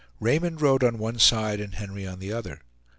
Raymond rode on one side and Henry on the other.